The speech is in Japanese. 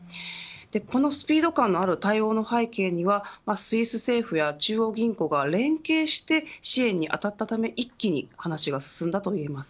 このスピード感のある対応の背景にはスイス政府や中央銀行が連携して支援に当たったため一気に話が進んだといえます。